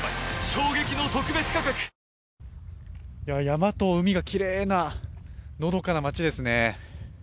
山と海がきれいなのどかな町ですね。